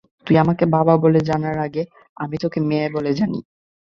তুই আমাকে বাবা বলে জানার আগে তোকে আমি মেয়ে বলে জানি।